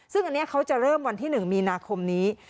ซึ่งอันนี้เขาจะเริ่มวันที่๑มีนาคมนี้